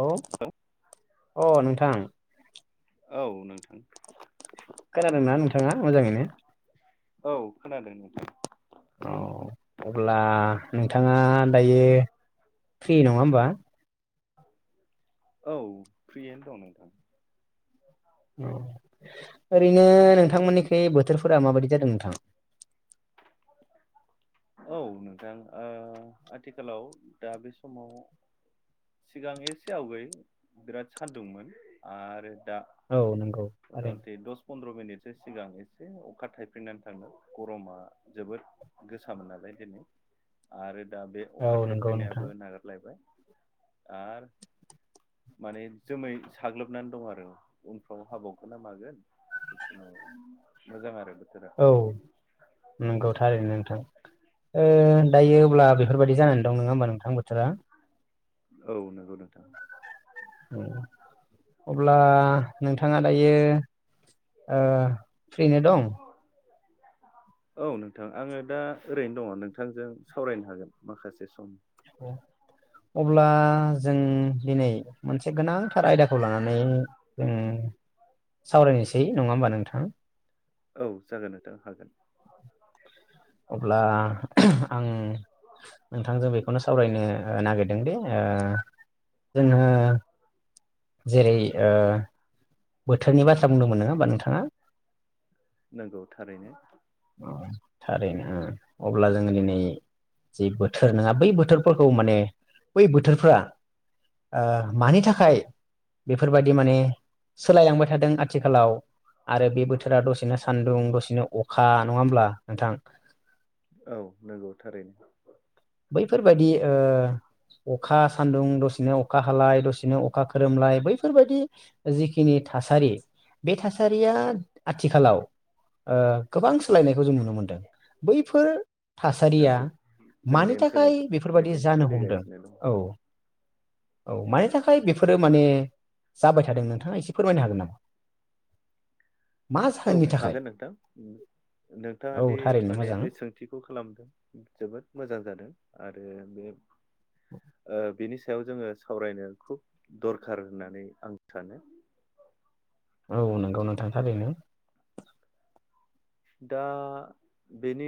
Hello अ नोंथां। औ नोंथां। खोनादोंना नोंथाङा मोजाङैनो। औ खोनादों नोंथां। औ अब्ला नोंथाङा दायो फ्रि नङा होमबा। औ फ्रियनो दं नोंथां। औ ओरैनो नोंथांमोननिथिं बोथोरफोरा माबायदि जादों नोंथां। [inaudible] औ नोंथां ओ आथिखालाव दा बे समाव सिगां एसे आवगै बिराद सान्दुंमोन आरो दा औ नंगौ मथा थारैनो मथि दस फन्द्र' मिनिटनि सिगां इसे अखा थायफ्रिनानै थांदों गरमा जोबोद गोसामोन नालाय दिनै आरो दा बे औ अखा नंगौ नोंथां थाइफ्रिनायाबो नागारलायबाय। आर माने जोमै साग्लोबनानै दं आरो उनफ्राव हाबावगोना मागोन। मोजां आरो बोथोरा औ नंगौ थारैनो नोंथां। ओ दायो अब्ला बेफोरबायदि जानानै दं नङा होमबा नोंथां बोथोरा। औ नंगौ नोंथां। अब्ला नोंथाङा दायो ओ फ्रियैनो दं। औ नोंथां आङो दा ओरैनो दङ नोंथांजों सावरायनो हागोन माखासे सम। अब्ला जों दिनै मोनसे गोनांथार आयदाखौ लानानै जों सावरायनोसै नङा होमबा नोंथाङा। औ जागोन नोंथां हागोन अब्ला आं नोंथांजो बेखौनो सावरायनो ओ नागिरदोंदि ओ जोङो जेरै ओ बोथोरनि बाथ्रा बुंदोंमोन नङा होमबा नोंथाङा नोंगौ थारैनो थारैनो अब्ला जोङो दिनै जे बोथोर नोङा बै बोथोरफोरखौ माने बै बोथोरफ्रा ओ मानि थाखाय बेफोरबादि माने सोलायलांबाय थादों आथिखालाव आरो बे बोथोरा दसेनो सान्दुं दसेनो अ खा नङा होमब्ला नोंथां औ नोंगौ थारैनो बैफोरबादि ओ अखा सान्दुं दसेनो अखा हालाय दसेनो अखा खोरोमलाय बैफोरबायदि जिखिनि थासारि बे थासारिया आथिखालाव ओ गोबां सोलायनाय खौ जों नुनो मोनदों बैफोर थासारिया नंगौ जोंनि मानि थाखाय ओनसोलावबो बेफोरबादि बेबायदिनो जानो हमदों सोलिगासिनो दं औ औ मानि थाखाय बेफोरो माने जाबाय थादों नोंथाङा एसे फोरमायनो हागोन नामा मा औ जाहोननि थाखाय हागोन नोंथां उम नोंथाङा औ दि थारैनो माने मोजां बे सोंथिखौ खालामदों जोबोद मोजां जादों आरो बे ओ बिनि सायाव जोङो सावरायनो खुब दरखार होननानै आं सानो औ नोंगौ नोंथां थांरैनो दा बेनि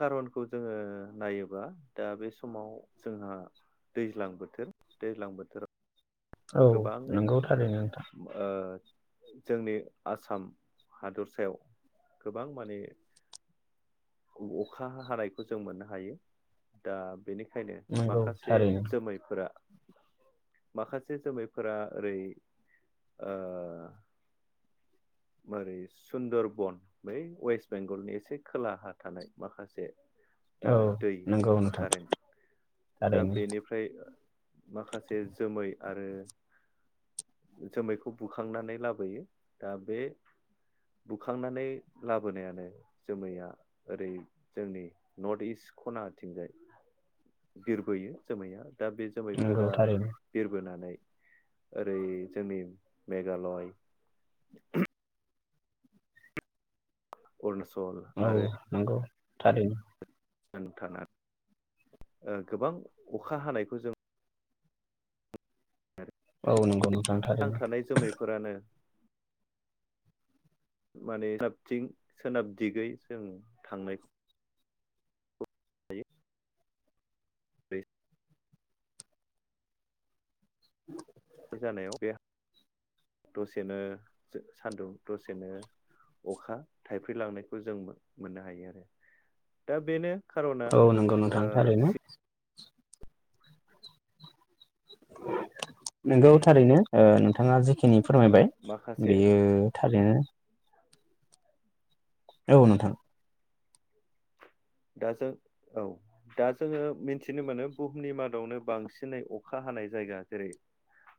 खारनखौ जोङो नायोबा दा बे समाव जोंहा दैज्लां बोथोर दैज्लां बोथोराव औ गोबाङै नोंगौ थारैनो नोंथां ओ जोंनि आसाम हादरसायाव गोबां माने अखा हानायखो जों मोननो हायो दा बेनि खायनो नंगौ माखासे थारैनो जोमैफोरा माखासे जोमैफोरा ओरै ओ मोरै सुन्दरबन बै वेस्ट बेंगलनि एसे खोलाहा थानाय माखासे ओ नंगौ नोंथां कारेन्ट दा थारैनो बेनिफ्राय माखासे जोमै आरो जोमैखौ बुखांनानै लाबोयो दा बे [inaudible] [unintelligible] बुखांनानै लाबोनायानो जोमैया ओरै जोंनि नर्थ इस्ट खनाथिंजाय बिरबोयो जोमैया दा बे नंगौ जोमैफोरा थारैनो बिरबोनानै ओरै जोंनि मेघालय अरुणाचल औ आरो नंगौ थारैनो [unintelligible] ओ गोबां अखा हानायखौ जों औ नंगौ उम नांथानाय जोमैफोरानो माने [unintelligible] थिं सोनाब दिगै जों थांनाय [inaudible] [unintelligible] [inaudible] [inaudible] [inaudible] [unintelligible] जानायाव बे दसेनो जो सान्दुं दसेनो अखा थाइफ्रि लांनायखौ जों मोन-मोननो हायो आरो दा बेनो खार'ना औ नंगौ ओ नोंथां थारैनो। नोंगौ थारैनो ओ नोंथांङा जे खिनि फोरमायबाय माखासे बियो थारैनो औ नोंथां। दा जों औ दा जोंङो मिथिनो मोनो बुहुमनि मादावनो बांसिनै अखा हानाय जायगा जेरै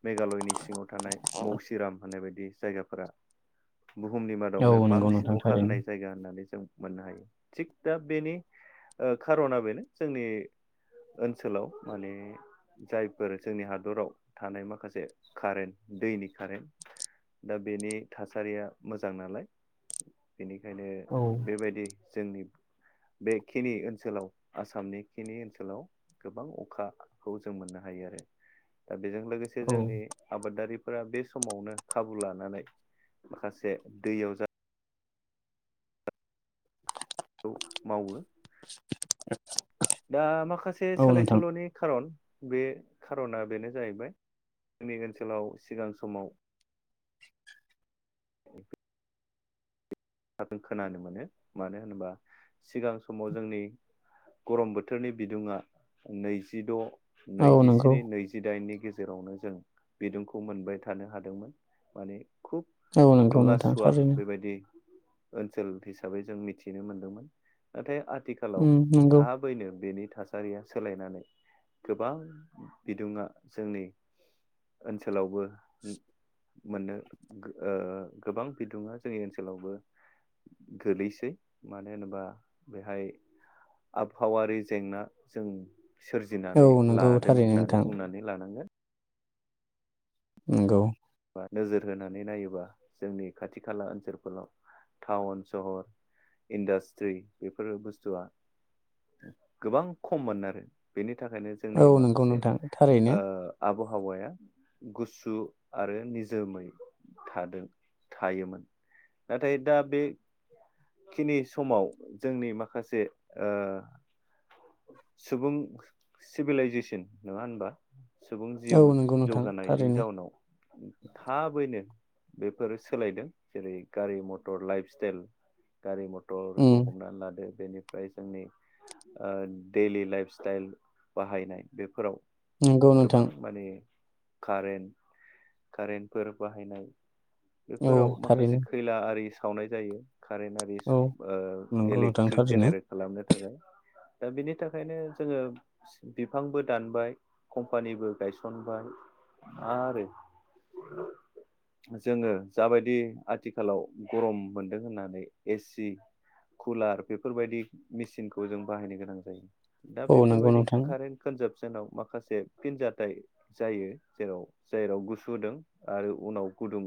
मेघालयनि सिंङाव थानाय मौसिराम होननाय बायदि जायगाफोरा बुहुमनि औ मादावनो नंगौ बांसिन नोंथां अखा थारैनो हानाय जायगा होननानै जों मोननो हायो, थिग दा बेनि खार'ना बेनो जोंनि ओनसोलाव माने जायफोर जोंनि हादराव थानाय माखासे कारेन्ट दैनि कारेन्ट दा बेनि थासारिया मोजां नालाय बेनिखायनो औ बेबायदि जोंनि बेखिनि ओनसोलाव आसामनि खिनि ओनसोलाव गोबां अखाखौ जों मोननो हायो आरो। दा बेजों लोगोसे औ जोंनि आबादारि फोर बे समावनो खाबु लानानै माखासे दैयाव खौ मावो। दा माखासे औ सोलाय नोंथां सोल'नि खारन बे खार'ना बेनो जाहैबाय जोंनि ओनसोलाव सिगां समाव [inaudible] खाखो खोनानो मोनो, मानो होनोबा सिगां समाव जोंनि गरम बोथोरनि बिदुंङा नैजिद' औ नंगौ नैजिस्नि नैजिदाइननि गेजेरावनो जों बिदुंखौ मोनबाय थानो हादोंमोन, माने खुब औ नंगौ दुंङा नोंथां सुवा थारैनो बेबायदि ओनसोल हिसाबै जों मिथिनो मोनदोंमोन नाथाय आ थिखालाव उम नंगौ थाबैनो बेनि थासारिया सोलायनानै गोबां बिदुंङा जोंनि ओनसोलावबो मोननो ओ गोबां बिदुंङा जोंनि ओनसोलावबो गोलैसै मानो होनोबा बेहाय आबहावारि जेंना जों औ सोरजिनानै नंगौ लादों थारैनो होननानै नोंथां बुंनानै लानांगोन। नंगौ। आ नोजोर होनानै नायोबा जोंनि खाथि खाला ओनसोलफोराव टाउन सहर इन्दास्ट्रि बेफोर बुस्थुआ गोबां खम'मोन आरो बेनि थाखायनो जोंनि औ नंगौ माखासे नोंथां थारैनो ओ आबहावाया गुसु आरो निजोमै थादों थायोमोन नाथाय दा बे खिनि समाव जोंनि माखासे ओ सुबुं सिभिलाइजेसन नंङा होनबा? सुबुं औ जिउ नंगौ नोंथां जौगानायनि थारैनो जाउनाव थाबैनो बेफोरो सोलायदों जेरै गारि मथर लाइफ स्टाइल गारि मथ थर खौ उम हमनानै लादो बेनिफ्राय जोंनि ओ दैलि लाइफ स्टाइल बाहायनाय बेफोराव नंगौ नोंथां गोबां माने कारेन्ट कारेन्टफोर बाहायनाय औ बेफोराव माखासे थारैनो खैला आरि सावनाय जायो। कारेन्ट आरिस औ ओ नंगौ नोंथां इलेक्ट्रिक थारैनो जेनेरे खालामनो थाखाय दा बिनि थाखायनो जोंङो बिफांबो दानबाय कम्पानिबो गायसनबाय आरो [inaudible] जोङो जाबायदि आथिखालाव गरम मोनदों होननानै एसि कुलार बेफोर बायदि मेसिनखौ जों बाहायनो गोनां जायो। दा औ नंगौ बेफोरबायदि नोंथां कारेन्ट फोरजों जोनाव माखासे फिनजाथाय जायो। जेराव जेराव गुसुदों आरो उनाव गुदुं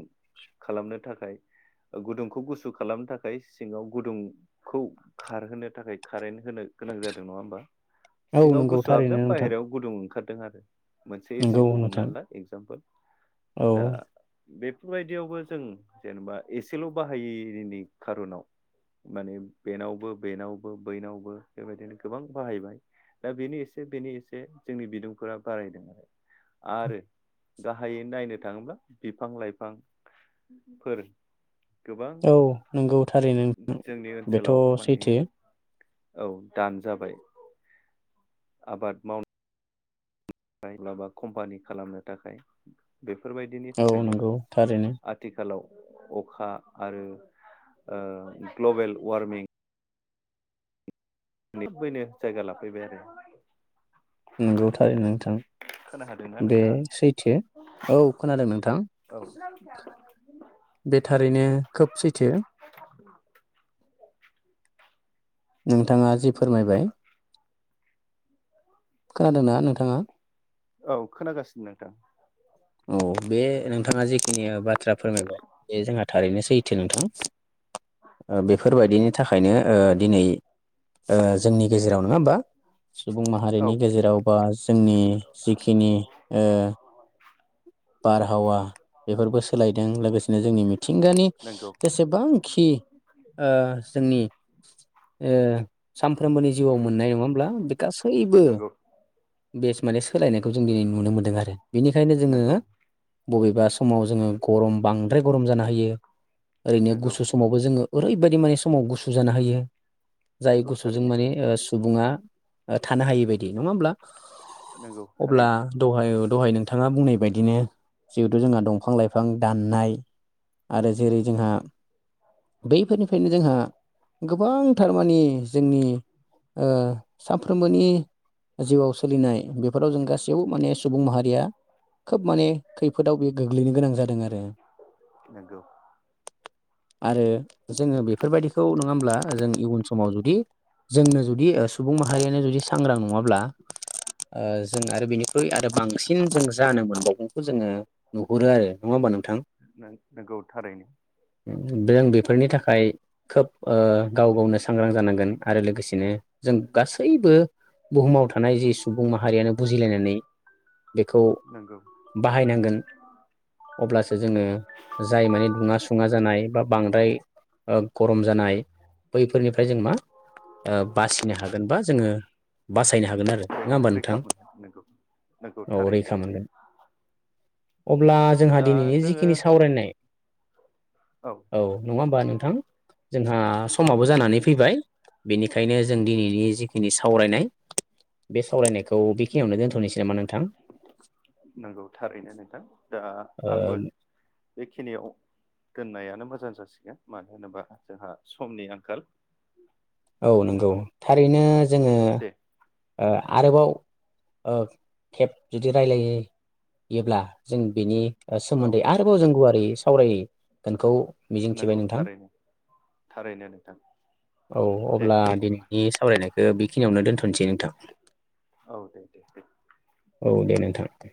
खालामनो थाखाय। ओ गुदुंखौ गुसु खालामनो थाखाय सिङाव गुदुंखौ खारहोनो थाखाय कारेन्ट होनो गोनां जादों नङा होमबा? औ सिङाव नंगौ गुसु थारैनो हाबदों नोंथां बाहेरायाव गुदुं ओंखार दों आरो मोनसे नंगौ एसि खौ नोंथां हमनानै ला एक्जामपोल। औ बेफोरबायदियावबो जों जेनेबा एसेल' बाहायैनि खार'नाव माने बेनावबो बेनावबो बैनावबो बेबायदिनो गोबां बाहायबाय। दा बेनि एसे बेनि एसे जोंनि बिदुंफोरा बारायदों माने। आरो गाहायै नायनो थाङोब्ला बिफां लाइफां फोर औ नंगौ थारैनो नोंथां जोंनि बेथ' ओनसोलाव माने सैथो। औ दान जाबाय। आबाद माव नाय लाबा कम्पानि खालामनो थाखाय बेफ फोरबायदिनि औ थाखायनो नंगौ थारैनो आथिखालाव उम अखा आरो ओ ग्लबेल वारमिं बेफोर बायनो जायगा लाफैबाय आनो। नंगौ थारैनो नोंथां। खोना हादोंना बे नोंथाङा सैथो औ खोनादों नोंथां। औ बे थारैनो खोब सैथो। [inaudible] नोंथाङा जि फोरमायबाय। खोनादों ना नोंथाङा? औ खोनागासिनो नोंथां। औ बे नोंथाङा जे खेनिया बाथ्रा फोरमायबाय। बे जोंहा थारैनो सैथो नोंथां। ओ बेफोरबायदिनि थाखायनो ओ दिनै ओ जोंनि गेजेराव नोङा होमबा। सुबुं औ माहारिनि गेजेराव बा जोंनि जिखिनि ओ [inaudible] बारहावा बेफोरबो सोलायदों। लोगोसेनो जोंनि मिथिंगानि नंगौ जेसेबांखि ओ जोंनि ओ सानफ्रोमबोनि जिउआव मोननाय नङा होमब्ला बे गासैबो नंगौ बेस माने सोलायनायखौ जों दिनै नुनो मोनदों आरो। बेनिखाय नंगौ। बबेबा समाव जोङो गरम बांद्राय गरम जाना होयो। ओरैनो नंगौ गुसु समावबो जोङो ओरैबायदि माने समाव गुसु जाना होयो। जाय नंगौ गुसुजों थारैनो माने ओ सुबुङा ओ थानो हायि बायदि नङा होमब्ला? नंगौ अब्ला थारैनो दहाय दहाय नोंथाङा बुंनाय बायदिनो जिहेथु जोंहा दंफां लाइफां दाननाय। आरो जेरै जोंहा बैफोरनिफ्रायनो जोंहा गोबां थारमानि जोंनि ओ सानफ्रोमबोनि जिउआव सोलिनाय बेफोराव जों गासैबो माने सुबुं माहारिया खोब माने खैफोदाव बि गोग्लैनो गोनां जादों आरो। नंगौ आरो जोङो बेफोरबायदिखौ नोङा होमब्ला जों इयुन समाव जुदि जोंनो जुदि ओ सुबुं माहारियानो जुदि सांग्रां नङाब्ला। ओ जों आरो बेनिख्रुइ आरो बांसिन जों जा बावफंखौ जोङो नुहुरो आरो नङा होमबा नोंथां? नंगौ थारैनो उम जों बेफोरनि थाखाय खोब गाव गावनो सांग्रां जानांगोन। आरो लोगोसेनो जों गासैबो बुहुमाव थानाय जि सुबुं माहारियानो बुजिलायनानै बेखौ नंगौ बाहायनांगोन अब्लासो जोङो जाय मानिे दुङा सुङा जानाय बा बांद्राय गरम जानाय बैफोरनिफ्राय जों मा बासिनो हागोन बा जोङो बासायनो हागोन आरो नङा होमबा रैखा नोंथां? मोनो नंगौ नंगौ औ थारैनो रैखा मोनगोन अब्ला जोंहा दा दिनैनि जोङो जिखिनि सावरायनाय औ नङा होमबा नोंथां जोंहा औ समाबो नंगौ जानानै फैबाय। बेनिखायनो जों दिनैनि जिखिनि सावरायनाय बे सावरायनायखौ बेखिनियावनो दोनथ'नोसै नामा नोंथां? नंगौ थारैनो नोंथां दा आंबो बेखिनियाव दोननायानो मोजां जासिगोन मानो होनोबा जोंहा समनि आंखाल। औ नंगौ थारैनो जोङो दे आरोबाव केब जुदि रायलायोब्ला जों बेनि औ सोमोन्दै आरोबाव जों गुवारै सावरायगोनखौ मिजिंथिबाय नंगौ नोंथां थारैनो थारैनो। नोंथां औ दे अब्ला अब्ला दिनैनि सावरायनायखौ बेखिनियावनो दोन्थ'नोसै नोंथां। औ दे दे। औ दे नोंथां दे।